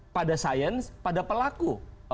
pada science pada pelaku